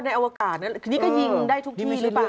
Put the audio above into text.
อวกาศทีนี้ก็ยิงได้ทุกที่หรือเปล่า